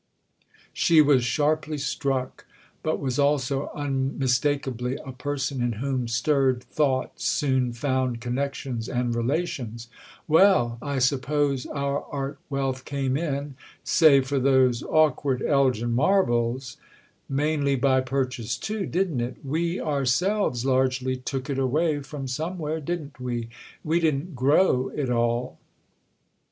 She was sharply struck, but was also unmistakably a person in whom stirred thought soon found connections and relations. "Well, I suppose our art wealth came in—save for those awkward Elgin Marbles!—mainly by purchase too, didn't it? We ourselves largely took it away from somewhere, didn't we? We didn't grow it all."